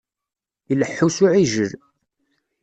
Ileḥḥu s uɛijel.